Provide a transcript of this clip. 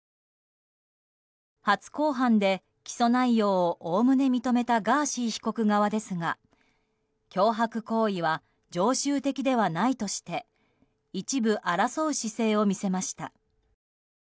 初公判で起訴内容をおおむね認めたガーシー被告側ですが脅迫行為は常習的ではないとして一部争う姿勢を見せました。